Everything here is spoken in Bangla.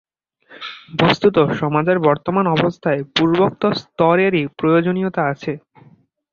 বস্তুত সমাজের বর্তমান অবস্থায় পূর্বোক্ত স্তরেরই প্রয়োজনীয়তা আছে।